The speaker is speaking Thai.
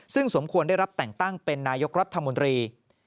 ซึ่งสมควรได้รับแต่งตั้งเป็นนายกรัฐมนตรี